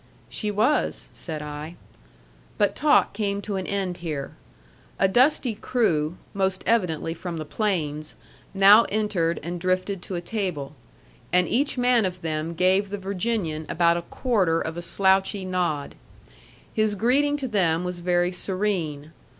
"She was," said I. But talk came to an end here. A dusty crew, most evidently from the plains, now entered and drifted to a table; and each man of them gave the Virginian about a quarter of a slouchy nod. His greeting to them was very serene.